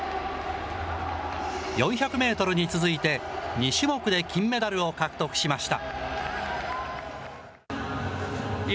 ４００メートルに続いて、２種目で金メダルを獲得しました。